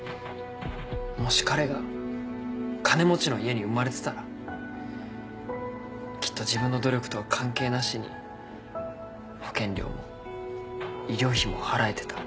もし彼が金持ちの家に生まれてたらきっと自分の努力とは関係なしに保険料も医療費も払えてた。